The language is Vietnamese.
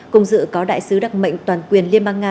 cùng dự có đại sứ đặc mệnh toàn quyền liên bang nga